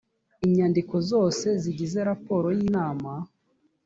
inyandiko zose zigize raporo y’inama